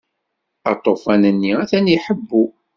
Aṭufan-nni atan iḥebbu.